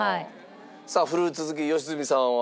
さあフルーツ好き良純さんは？